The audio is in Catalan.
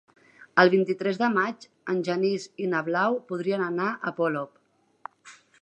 El vint-i-tres de maig en Genís i na Blau voldrien anar a Polop.